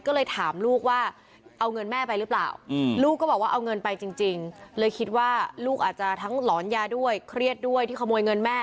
ก็เลยถามลูกว่าเอาเงินแม่ไปหรือเปล่าลูกก็บอกว่าเอาเงินไปจริงเลยคิดว่าลูกอาจจะทั้งหลอนยาด้วยเครียดด้วยที่ขโมยเงินแม่